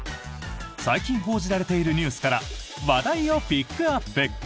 最近報じられているニュースから話題をピックアップ！